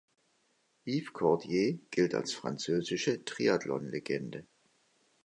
Yves Cordier gilt als französische „Triathlon-Legende“.